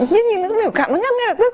nhìn cái biểu cảm nó nhăn ngay là tức